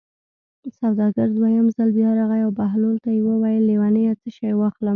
سوداګر دویم ځل بیا راغی او بهلول ته یې وویل: لېونیه څه شی واخلم.